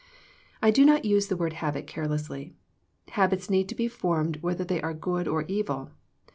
I do not use the word habit carelessly. Habits need to be formed whether they are good or evil.